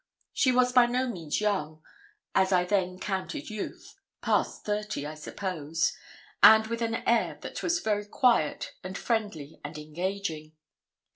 She was by no means young, as I then counted youth past thirty, I suppose and with an air that was very quiet, and friendly, and engaging.